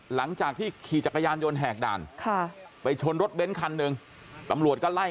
หลังจากที่ขี่จักรยานยนต์แหกด่านไปชนรถเบ้นคันหนึ่งตำรวจก็ไล่